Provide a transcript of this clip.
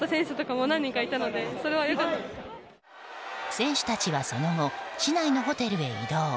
選手たちはその後、市内のホテルへ移動。